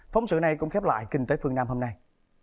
phóng sự này cũng khép lại kinh tế phương nam hôm nay